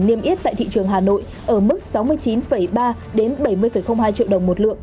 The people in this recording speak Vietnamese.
niêm yết tại thị trường hà nội ở mức sáu mươi chín ba bảy mươi hai triệu đồng một lượng